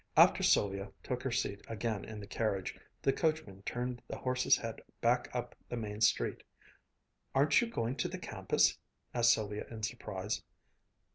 After Sylvia took her seat again in the carriage, the coachman turned the horse's head back up the Main Street. "Aren't you going to the campus?" asked Sylvia in surprise.